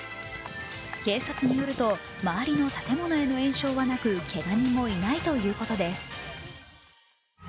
警察によると、周りの建物への延焼はなくけが人もいないということです。